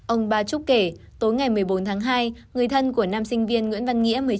ông ba trúc kể tối ngày một mươi bốn tháng hai người thân của nam sinh viên nguyễn văn nghĩa